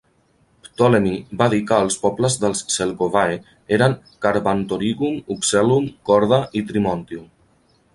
Ptolemy va dir que els pobles dels Selgovae eren "Carbantorigum", "Uxellum", "Corda" i "Trimontium".